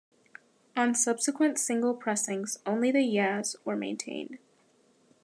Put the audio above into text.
On subsequent single pressings, only the 'yeah's were maintained.